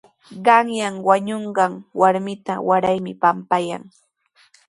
Qanyan wañunqan warmita waraymi pampayanqa.